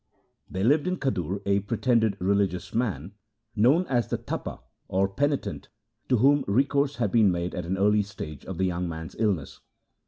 There lived in Khadur a pretended religious man known as the Tapa, or Penitent, to whom recourse had been made at an early stage of the young man's illness.